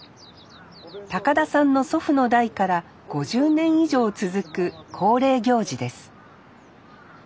田さんの祖父の代から５０年以上続く恒例行事です